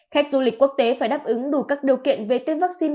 khách du lịch quốc tế phải đáp ứng đủ các điều kiện về tiêm vaccine